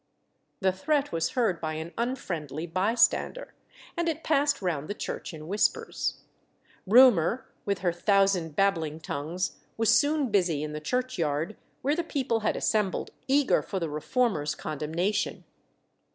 The threat was heard by an unfriendly bystander, and it passed round the church in whispers. Rumour, with her thousand babbling tongues, was soon busy in the churchyard, where the people had assembled, eager for the reformer's condemnation.